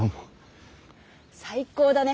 最高だね。